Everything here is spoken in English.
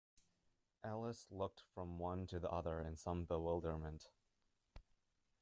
Alice looked from one to the other in some bewilderment.